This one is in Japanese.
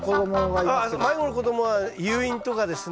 ああ迷子の子供は誘引とかですね